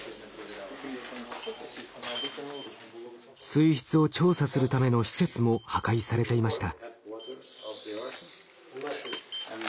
水質を調査するための施設も破壊されていました。